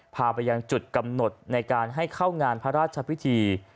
พาไปยังจุดกำหนดในการให้เข้างานพระราชพิธี